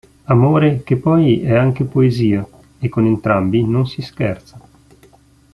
Amore che poi è anche poesia, e con entrambi non si scherza.